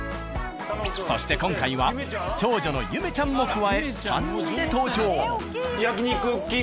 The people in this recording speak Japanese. そして今回は長女の夢ちゃんも加え３人で登場。